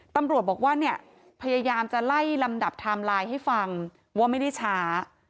ตำรวจบอกว่าเนี่ยพยายามจะไล่ลำดับไทม์ไลน์ให้ฟังว่าไม่ได้ช้า